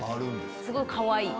すごいかわいい！